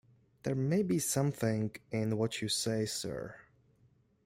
There may be something in what you say, sir.